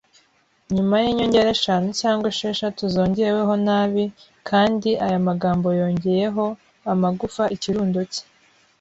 nyuma yinyongera eshanu cyangwa esheshatu zongeweho nabi, kandi aya magambo yongeyeho, "Amagufa, ikirundo cye."